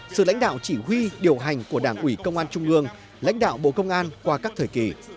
sự lãnh đạo chỉ huy điều hành của đảng ủy công an trung ương lãnh đạo bộ công an qua các thời kỳ